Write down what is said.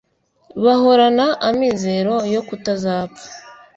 bahorana amizero yo kutazapfa.